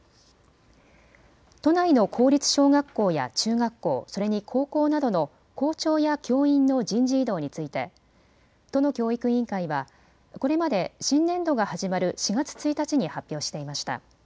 都内の公立小学校や中学校、それに高校などの校長や教員の人事異動について都の教育委員会は、これまで新年度が始まる４月１日に発表していました。